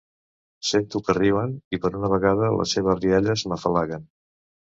Sento que riuen, i per una vegada les seves rialles m'afalaguen.